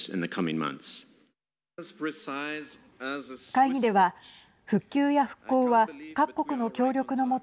会議では、復旧や復興は各国の協力の下